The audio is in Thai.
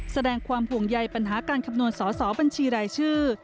แสดงความห่วงใยปัญหาการคำนวณสอสอบัญชีรายชื่อ